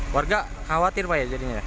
warga khawatir pak ya jadinya